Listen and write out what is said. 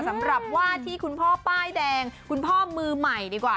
สำหรับว่าที่คุณพ่อป้ายแดงคุณพ่อมือใหม่ดีกว่า